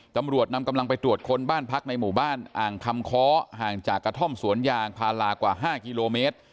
ตำรวจนำกำลังไปตรวจค้นบ้านพักในหมู่บ้านอ่างคำค้อห่างจากกระท่อมสวนยางพาลากว่า๕กิโลเมตร